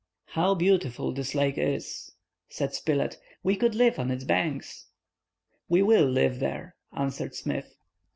"How beautiful this lake is!" said Spilett. "We could live on its banks." "We will live there!" answered Smith.